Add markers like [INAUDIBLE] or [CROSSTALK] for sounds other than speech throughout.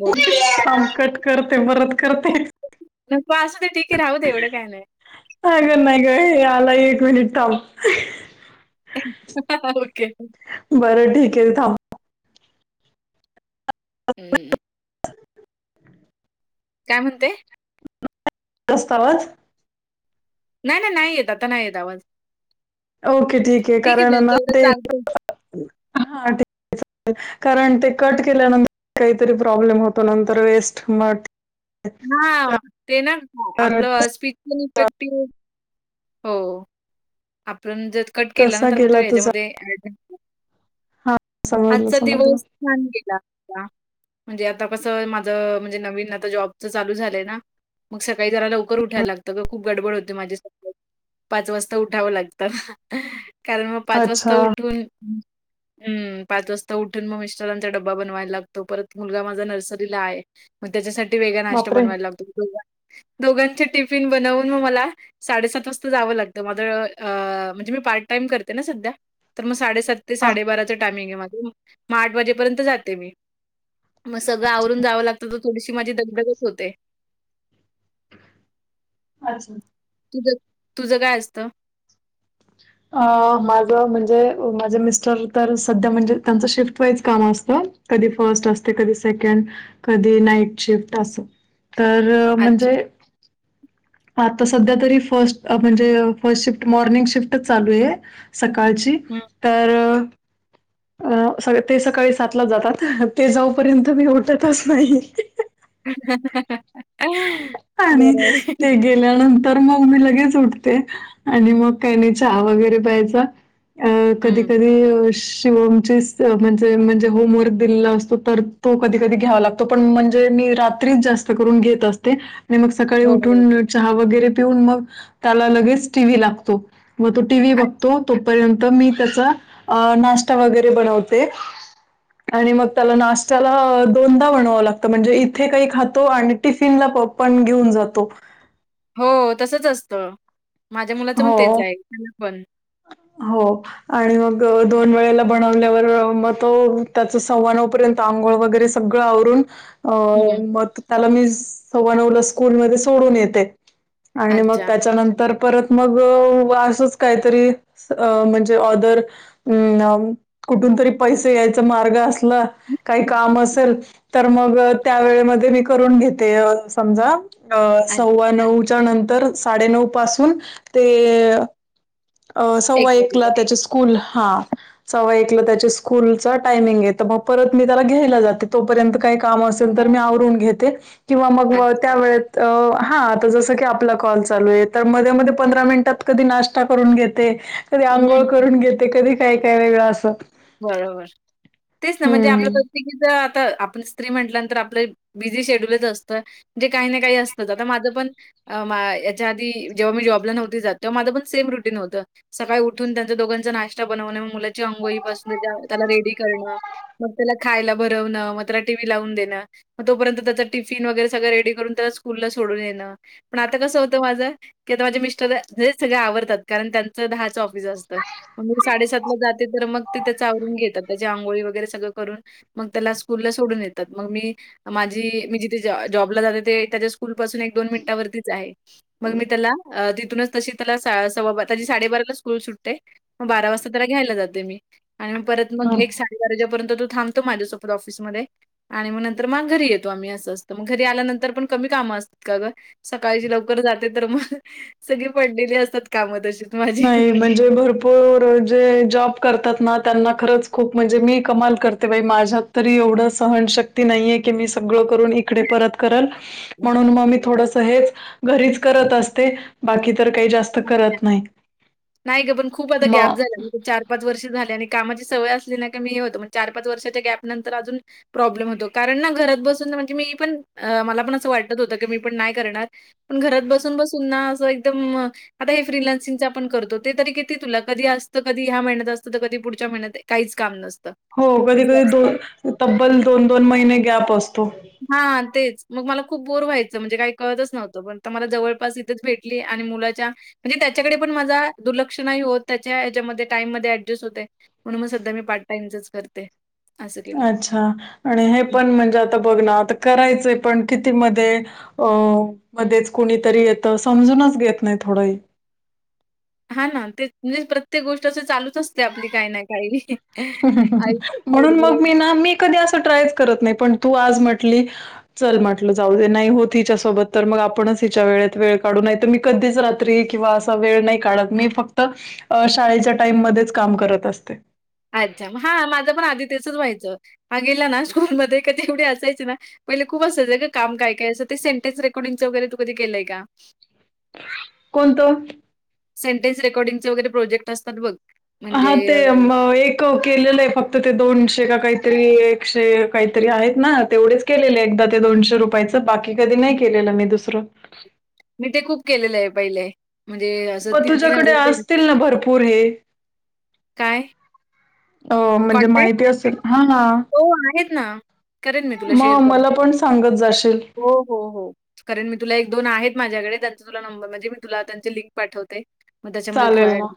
बोल call cut करते परत करते. नको असूदे ठीके राहू दे एवढं काय नाही. अग नाही ग हे आला एक मिनिट थांब. ओके बरं ठीक आहे थांब. [UNINTELLIGIBLE] [UNINTELLIGIBLE] काय म्हणते? सतालात [UNINTELLIGIBLE] नाही नाही नाही येत आता नाही येत आवाज ओके ठीक आहे कारण ना ते हो [UNINTELLIGIBLE] हा ते. कारण ते कट केल्यानंतर काहीतरी प्रॉब्लेम होतो नंतर वेस्ट मट. हा ते ना तर आपलं कसा- स्पिचअल इफेक्टिव हो. आपण जर कट केला ना कसा तर मग तु गेला तुझा ह्याच्यामध्ये. हा समजलं आजचा समजलं दिवस छान गेलाता. म्हणजे आता कसं माझं म्हणजे नवीन आता जॉबच चालू झालंय ना. मग सकाळी जरा लवकर उठायला लागतं ग खूप गडबड होते माझे स पाच वाजता उठावं लागत. कारण मग पाच वाजता अच्छा उठून हम्म. पाच वाजता उठून मग मिस्टरांचा ड्बा बनवायला लागतो परत मुलगा माझा नर्सरी आहे. मग त्याच्यासाठी वेगळा नाश्ता बापरे बनवायला लागतो दोघांचे टिफिन बनवून मग मला साडेसात वाजता जावं लागत माझ म्हणजे मी पार्ट टाइम करते ना सध्या तर मग साडेसात. तर ते हा साडेबारा टायमिंग आहे माझ आठ वाजेपर्यंत जाते मी. मग सगळं आवरून जावं लागतं तर थोडीशी माझी दगदगत होते. अच्छा. तुझं तुझं काय असतं? अ्छ [UNINTELLIGIBLE] अ माझं म्हणजे माझे मिस्टर तर सध्या म्हणजे त्यांचं शिफ्ट वाईज काम असतं. कधी फर्स्ट असते कधी सेकंड कधी नाईट शिफ्ट असं. तर अच्छा. म्हणजे. आता सध्या तरी फर्स्ट म्हणजे फर्स्ट शिफ्ट मॉर्निंग शिफ्टच चालू आहे. सकाळची हं. तर. ते सकाळी सातला जातात, ते जाऊपर्यंत मी उठतच नाही. आणि. बरं आहे. ते गेल्यानंतर मग मी लगेच उठते आणि मग काही नाही वगैरे प्यायचा. अ कधी हं. कधी अ शिवमची. म्हणजे म्हणजे होमवर्क दिला असतो तर तो कधी कधी घ्यावा लागतो पण म्हणजे मी रात्री जास्त. जास्त करून घेत असते. सकाळी हो. उठून चहा वगैरे पिऊन मग त्याला लगेच टी व्ही लागतो. मग तो टी व्ही अच्छा. बघतो तोपर्यंत मी त्याचा नाश्ता वगैरे बनवते. आणि मग त्याला नाश्त्याला दोनदा बनवावं लागतं म्हणजे इथे काही खातो आणि टिफिनला पप. पण घेऊन जातो. हो तसच असतं माझ्या मुलाचं पण तेच हो आहे. त्यांना पण. हो. आणि मग दोन वेळेला बनवल्यावर मग तो त्याच सव्वा नऊ पर्यंत. आंघोळ वगैरे सगळं आवरून. अ हं. मग त्याला मी सव्वा नऊला स्कूलमध्ये सोडून येते. आणि मग अच्छा. त्याच्यानंतर. परत मग असंच काहीतरी म्हणजे ऑदर. अम् कुठून तरी पैसे यायचा मार्ग असला. काही काम असेल तर मग त्यावेेळेमध्ये मी करून घेते समजा. अ अच्छा. सव्वा नऊच्या नंतर साडेनऊ पासून ते. अ एक सव्वा एकला बाजूला. त्याची स्कूल हा. सव्वा एकला त्याच्या स्कूल टायमिंग आहे मग परत मी त्याला घ्यायला जाते तोपर्यंत काय. काम असेल तर मी आवरून घेते किंवा मग अच्छा. त्या वेत. अ हा आता जस की आपला कॉल चालू आहे तर मध्ये हं. मध्ये पंधरा मिनिटात कधी लास्ट. करून घेते कधी अंघोळ करून घेते कधी काय काय वेगळं असं बरोबर तेच ना म्हणजे आपलं हम्म प्रत्येकीच आता आपण त म्हटल्यानंतर आपलं बिझी शेड्यूलच असतं म्हणे काही ना काही असत आता माझं पण याच्या आधी जेव्हा मी जॉबला नव्हती जात तेव्हा माझं पण सेम रुटीन होतं सकाळी उठून त्यांचा दोघांचा नाश्ता बनवणं मुलाची अंंगोळी पासून त्याला रेडी करणं मग त्याला खायला भरवणं मत्रटी व्ही लावून देणं मग तोपर्यंत त्याचा टिफिन वगैरे सगळं रेडी करून त्याला स्कूलला सोडून येणं पण आता कसं होतं माझं की आता माझे मिस्टर हे सगळं आवडतात कारण त्यांचं दहा म साडेसातला जाते तर मग ते त्या वरून घेत त्याची आंघोळी वगैरे सगळं करून मग त्याला स्कूल ला सोडून येतात मग मी माझी मी जिथे जॉबला जाते ते त्याच्या स्कूल पासून एक दोन मिनिटावरतीच आहे. मग मी त्याला तिथूनच तशी त्याला सव्वा त्या साडेबाराला स्कूल सुटते. मग बारा वाजता त्याला घ्यायला जाते मी आणि मग परत मग एक सा [UNINTELLIGIBLE] गरजापर्य तू थांबतो माझ्यासोबत ऑफिसमध्ये आणि मग नंतर मग घरी येतो आम्ही असं असतं मग घरी आल्यानंतर पण कमी कामं असतात का ग सकाळची लवकर जाते तर मग सगळी पडलेली असतात कामं तशीच माझी जे भरपूर जे जॉब करतात ना त्यांना खरंच खूप म्हणजे मी कमाल करते बा माझ्यात तरी एवढं सहनशक्ती नाहीये की मी सगळं करून इकडे परत म्हणून मग मी थोडस हे घरीत अस बाकी तर काही जास्त करत नाही नाही ग पण खूप आता गॅप मग झाला चार पाच वर्ष झाले आणि कामाची सवय असली ना का मी हे होतं मग चार पाच वर्षाच्या गॅप नंतर अजून प्रॉब्लेम होतो कारण ना घरात बसून म्हणजे मी पण मला पण असं वाटत होतं की मी पण नाही करणार पण घरात बसून बसून ना असं एकदम आता हे फीलन्सिंग आपण करतो ते तरी किती तुला कधी असतं कधी ह्या महिन्यात असतं तर कधी पुढच्या महिन्यात काहीच काम नसतं हो कधी असं कधी असतं. दोन तब्बल दोन दोन महिने गॅप असतो हा तेच मग मला खूप बोर व्हायचं म्हणजे काही कळतच नव्हतं पण मला जवळपास इथेच भेट आणि मुलाच्या म्हणजे त्याच्याकडे पण माझा दुर्लक्षणही होत त्याच्या याच्यामध्ये टाइम म ऍडजस्ट होते म्हणून मग सध्या मीार्ट टाइमच कर अच्छा आणि हे हं. पण म्हणजे आता बघ ना आता करायचंय पण किती मध्ये अ मध्येच कुणीतरी येतं समजूनच घेत नाही थोडंही हा ना ते म्हणजे प्रत्येक गोष्ट असं चालूच असते आपली काही ना काही आयुष्यात म्हणून मग तडजोड. मी ना मी कधी असं ट्रायच करत नाही पण तू आज म्हटली चल म्हटलं जाऊ दे नाही होत हिच्यासोबत तर मग आपणच हिच्या वेळेत वेळ काढू नाही तर मी कधीच राह किंवा असा वेळ नाही काढत मी फक्त शाळेच्या टाइम मध्येच काम करत असते अच्छा मग हा माझं पण आधी तेचच व्हायचं हा गेला ना स्कूलमध्येध्ये क एवढी असायची ना पहिले खूप असायचं काम काय काय असं ते सेंटेनस रेकॉर्डिंगचं वगैरे तू कधी केलंय का कोणतो सेटे्सेकॉर्िंगचे वगैर प्रोजेक्ट असात बग हा ते एक केलेलं आहे फक्त ते दोनशे का काहीतरी एकशे काहीतरी आहेत ना तेवढेच केलेले एकदा ते दोनशे रुपयाच बाकी कधी नाही केलेलं मी दुसरं मी ते खूप केलेलं आहे पहिलेय म्हणजे असं मग तीन तीन तुझ्याकडे हजारप असतील भरपूर हे काय? अ म्हणजे कॉन्टॅक्ट? माहिती असेल हा हो, आहेत ना. करेन मी तुला मग शेअर करेन. मला पण सांगत जाशील हो हो हो कारण मी तुला एक दोन आहेत माझ्याकडे त्यांचा तुला नंबर म्हणजे मी तुला त्यांचे लिंक पाठवते मग त्याच्यामध्ये तू चालेल वाड ना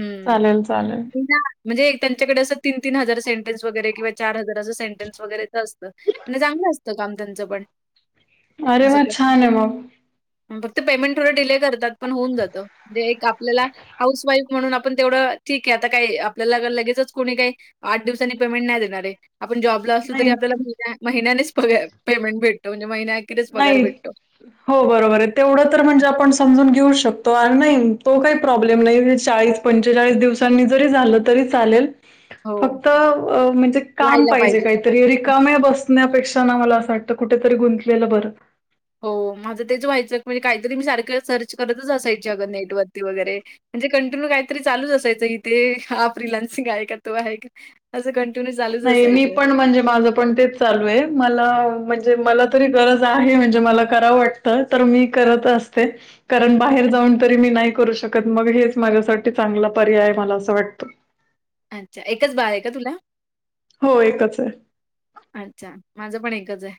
हम् चालेल चालेल म्हणज एक त्यांच्याडे असं तीन ती हार सेंटन्स वगरे किं चार हजाराचं सेंटेनस वगैरेच असतं म्हणजे चांगलं असतं काम त्यांचं पण अरे वा छान आहे मग फक्त पेमेंट थोड डिले करतात. पण होऊन जात म्हणे एक आपल्याला हाऊस वाईफ म्हणून आपण तेवढं ठीक आहे आता काय आपल्याला लगेच कोणी काही आठ दिवसांनी पेमेंट नाही देणार. आप जॉब अस त नाही आपल्या म्या पमेंट भे म्हणजे महि्याखिरीच पघर नाही भेटतो. हो बरोबर आहे तेवढं तर म्हणजे आपण समजून घेऊ शकतो आणि नाही तो काही प्रॉब्लेम नाही चाळीस पंचेचाळीस दिवसांनी जरी झालं तरी चालेल. हो, फक्त म्हणजे काम पाहिजे काय तरी रिकामे बसण्यापेक्षा ना मला असं वाटतं कुठेतरी गुंतलेलं बरं हो माझं तेच व्हायचं म्हणजे काहीतरी मी सारखं सर्च करतच असायची अगं नेट वरती वगैरे म्हणजे कंटिन्यू काहीतरी चालूच असायचं इथे ह प्रिलान सिंग आहे का तो आहे का कंटन्य नाही मी पण म्हणजे माझं पण तेच चालू आहे मला म्हणजे मला तरी गरज आहे म्हणजे मला करावं वाटतं तर मी करत. ते कारण बाहेर जाऊन तरी मी नाही करू शकत मग हेच माझ्यासाठी चांगला पर्याय मला असं वाटतं. अच्छा एकच बाळ आहे का तुला? हो एकच आहे. अच्छा माझं पण एकच आहे.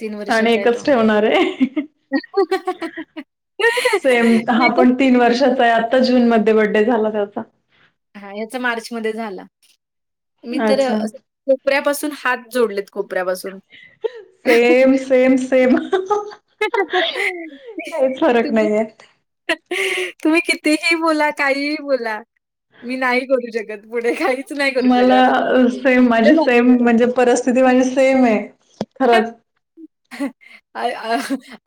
तीन आणि वर्षाचा आहे तो एकच ठेवणार आहे सेम हा मी तर पण तीन वर्षाचा आहे आता जून मध्ये बर्डे झाला त्याता हा याचा मार्च मध्ये झाला. मी तर अच्छा अस कोपऱ्यापासून हात जोडलेत कोपऱ्यापासून [UNINTELLIGIBLE] सेम सेम. काहीच फरक तुम्ही? नाहीये तुम्ही कितीही बोला काहीही बोला. मी नाही करू शकत पुढे काही मला सेम माझी झाले सेम मी तर. म्हणजे परिस्थिती माझी सेम आहे खरंच. अ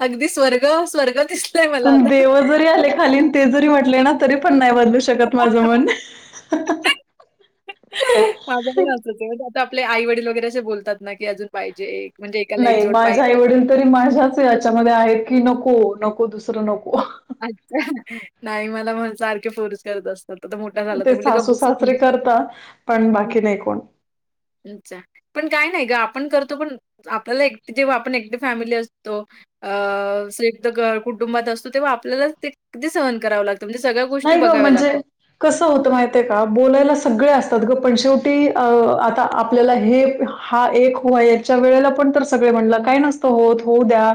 अगदी स्वर्ग स्वर्ग दिस तुम देव जरी आले खालीन ते जरी म्हटले ना तरी पण नाही बले. शकत माझ म्हण. माझं पण असत ते आता आपले आई वडील वगैरे असे बोलतात ना की अजून पाहिजे एक म्हणजे एकाला एक नाही जोड माझ्या पाहिजे. आईवडील तरी माझ्याच याच्यामध्ये आहेत की नको नको दुसरं नको. अच्छा नाही मला म्हण सारखे फोर्स करत असत. आ मोठा झाला ते तर म्ह सासू सासरे करता पण बाकी नाही कोण. अच्छा. पण काय नाही ग आपण करतो पण आपल्याला एक जेव्हा आपण एकटि फॅमिली असतो. अ संयुक्त कुटुंबात असतो तेव्हा आपल्याला ते सहन करावं लागतं. म्हणजे सगळ्या गोष्टी नाही ग बघाव्या म्हणजे लागतात. कसं होतं माहिित आहे का बोलायला सगळे असतात ग पण शेवटी अ आता आपल्याला हे. हा एक हो याच्या वेळेला पण तर सगळे म्हणलं काय नसतं होत होऊ द्या.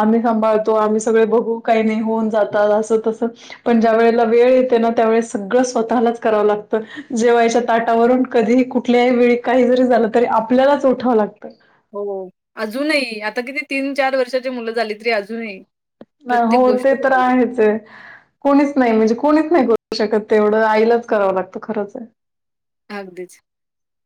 आम्ही सांभाळतो आम्ही सगळे बघू काही नाही होऊन जातात असं तसं पण ज्यावेेळे वेळ येते ना त्या सगळं स्वतःलाच करावं लागत जेव्हा याच्या ताटावरून कधी कुठल्याही वेळी काही जरी झालं तरी आपल्यालाच ओठावं लागतं. हो अजूनही आता किती तीन चार वर्षाची मुलं झाली तरी अजूनही नाही प्रत्येक हो गोष्ट ते तर बघावी. आहेच आहे. कोणीच नाही म्हणजे कोणीच नाही करू शकत तेवढं आईलाच करावं लागतं खरंच आहे. हगदीच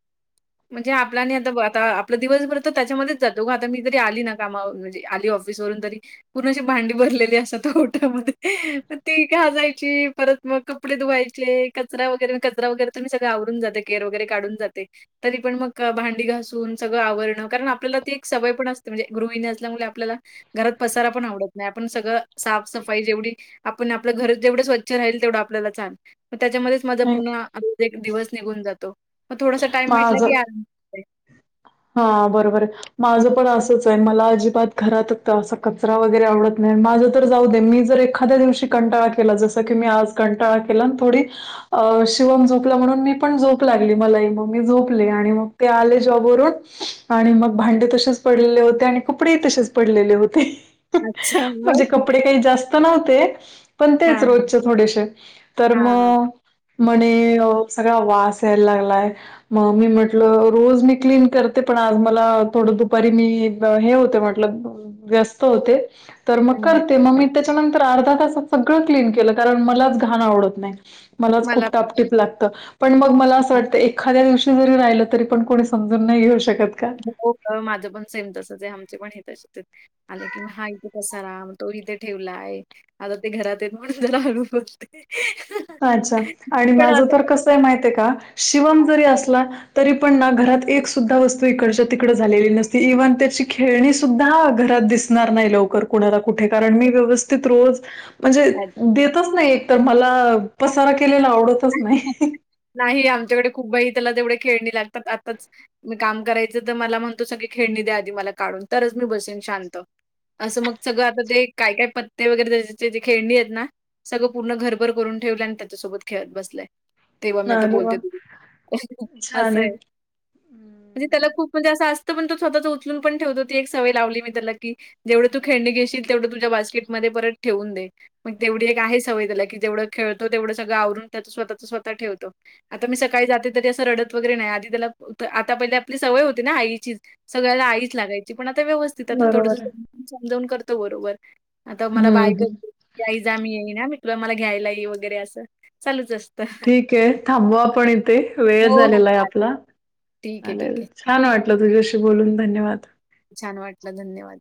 [UNINTELLIGIBLE] म्हणजे आपलाने आता आता आपलं दिवसभर तर त्याच्यामध्येच जातो ग आता मी जरी आली ना कामावरून म्हणजे आली ऑफिस ऑफिस वरून तरी पूर्ण अशी भांडी भरलेली असतात ओटामध्ये ती घासायची परत- मग कपडे धुवायचे कचरा वगैरे कचरा वगैरे तर मी सगळं आवरून जाते केर वगैरे काढून जाते. तरी पण मग भांडी घासून सगळं आवरणं, कारण आपल्याला ती एक सवय पण असते. म्हणजे गृहिणी असल्यामुळे आपल्याला- घरात पसारा पण आवडत नाही, आपण सगळं साफसफाई जेवढी आपण आपलं घर जेवढं स्वच्छ राहील तेवढं आपल्याला चाल मग त्याच्यामध्येच माझा नाही, पूर्ण रोज एक दिवस निघून जातो, मग थोडासा टाइम भेटला की माझं या हा बरोबर माझं पण असंच आहे मला अजिबात घरातच असा कचरा वगैरे आवडत नाही माझं तर जाऊ दे मी जर एखाद्या दिवशी कंटाळा केला जसं की मी आज कंटाळा केला थोडी अ शिवम झोपला म्हणून मी पण झोप लागली. मला मग मी झोपले आणि मग ते आले जॉबवरून आणि मग भांडे तसेच पडलेले होते आणि कपडेही तसेच पडलेले होते. अच्छा म्हणजे मग? कपडे काही जास्त नव्हते, पण तेच हां, रोजचे थोडेसे तर हां, हां. मग म्हणे अं सगळा वास यायला लागलाय. मग मी म्हटलं रोज मी क्लीन करते, पण आज मला थोडं दुपारी मी हे होते म्हटलं व्यस्त होते. तर मग हं. करते, मग मी त्याच्यानंतर अर्धा तासात सगळं क्लीन केलं. कारण मलाच घाण आवडत नाही. मलाच मला खूप टापटीप लागत, पण मग मला असं वाटतं- एखाद्या दिवशी जरी राहिलं तरी पण कोणी समजून नाही घेऊ शकत. का? हो ग माझं पण सेम तसंचे आमचे पण हे त आले की मी हा इथे पसारा मग तो इथे ठेवलाय. आता ते घरात आहेत म्हणून जरा हळू बोलते. अच्छा आणि पण माझं असं तर कसंय माहित आहे का? शिवम जरी असला ना, तरी पण ना घरात एक सुद्धा वस्तू इकडच्या तिकड झालेली नसती इव्हन त्याची खेळणी सुद्धा घरात दिसते. णार नाही लवकर. कुणाला कुठे, कारण मी व्यवस्थित रोज म्हणजे हां. देतच नाही, एक तर मला - पसारा केलेला आवडतच नाही. नाही आमच्याकडे खूप बाही त्याला तेवढे खेळणी लागतात आताच मी काम करायचं तर मला म्हणतो सगळी खेळणी द्या आधी मला काढून तरच मी बसेन शांत. असं मग सगळं आता ते काय- काय पत्ते वगैरे त्याच्याचे ज खेळणी आहेत ना सगळं पूर्ण घरभर करून ठेवलंय आणि त्याच्यासोबत खेळत बसलंय. तेव्हा मी आता आर वा बोलते तुझ्याशी छान मी त्याला हम्म. खूप म्हणजे असं असत, पण तो स्वतःच उचलून पण ठेवतो, ती एक सवय लावली मी त्याला की- जेवढं तू खेळणे घेशील तेवढं तुझ्या बास्केटमध्ये परत ठेवून दे. मग तेवढी एक आहे सवय त्याला की, जेवढं खेळतो तेवढं सगळं आवरून त्याच स्वतच स्वतः ठेवतो. आता मी सकाळी जाते तरी असं रडत वगैरे नाही आधी त्याला आता पहिले आपली सवय होती ना आईचीच. सगळ्याला आईच लागायची. पण आता व्यवस्थित आता थोडस बरोबर आहे. समजवून करतो बरोबर. आता मला बाय हं, कर. हं. ए आई जा मी येई ना [INAUDIBLE] मला घ्यायला ये वगैरे असं चालूच असतं. ठीक आहे. थांबू आपण इथे वेळ हो, हो. झालेला आहे चालेल. आपला ठीक आहे, चालेल. ठीक आहे. छान वाटलं तुझ्याशी बोलून, धन्यवाद! छान वाटलं, धन्यवाद!